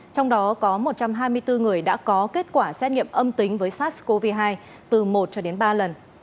trong đó có một trăm hai mươi bốn người đã có kết quả xét nghiệm âm tính với sars cov hai từ một cho đến ba lần